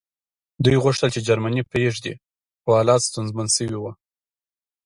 دوی غوښتل چې جرمني پرېږدي خو حالات ستونزمن شوي وو